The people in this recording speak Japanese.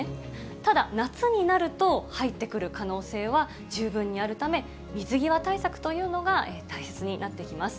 ただ、夏になると入ってくる可能性は十分にあるため、水際対策というのが大切になってきます。